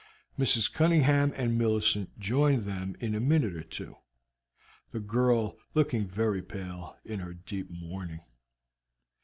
Mrs. Cunningham and Millicent joined them in a minute or two, the girl looking very pale in her deep mourning.